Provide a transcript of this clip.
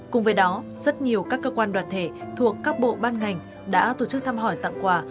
cùng với đó rất nhiều các cơ quan đoạt thể thuộc các bộ ban ngành đã tổ chức thăm hỏi tặng quà